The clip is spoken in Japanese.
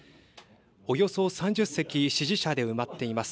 およそ３０席、支持者で埋まっています。